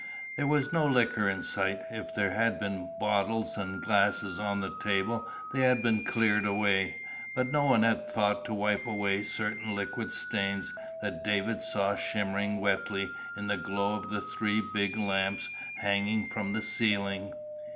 There was no liquor in sight. If there had been bottles and glasses on the tables, they had been cleared away but no one had thought to wipe away certain liquid stains that David saw shimmering wetly in the glow of the three big lamps hanging from the ceiling.